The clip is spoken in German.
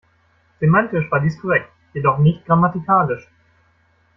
Semantisch war dies korrekt, jedoch nicht grammatikalisch.